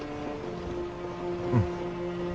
うん